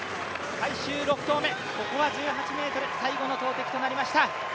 最終６投目、ここは１８ｍ、最後の投てきとなりました。